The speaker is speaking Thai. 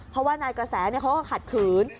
เพราะว่านายกระแสเขาก็ขัดขืน